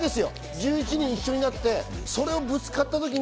１１人一緒になって、ぶつかったときに。